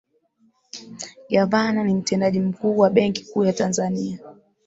gavana ni mtendaji mkuu wa benki kuu ya tanzania